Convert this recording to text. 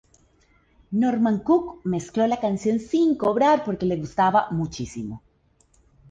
Norman Cook mezcló la canción sin cobrar porque le gustaba muchísimo.